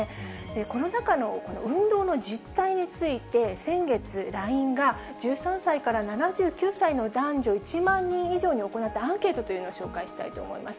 コロナ禍の運動の実態について先月、ＬＩＮＥが１３歳から７９歳の男女１万人以上に行ったアンケートというのを紹介したいと思います。